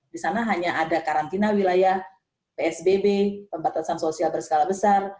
di sana hanya ada karantina wilayah psbb pembatasan sosial berskala besar